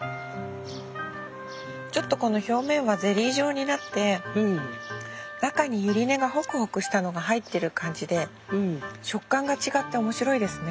ちょっとこの表面はゼリー状になって中にユリ根がホクホクしたのが入ってる感じで食感が違って面白いですね。